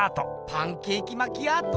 パンケーキマキアート？